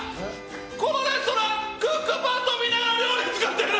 このレストランクックパッド見ながら料理作ってる。